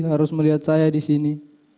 harus melihat saya disini